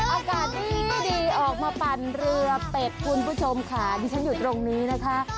อากาศดีออกมาปั่นเรือเป็ดคุณผู้ชมค่ะดิฉันอยู่ตรงนี้นะคะ